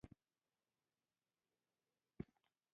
مجاهد د خپل رب امر ته ژمن دی.